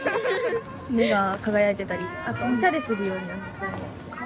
目が輝いてたりあとおしゃれするようになる。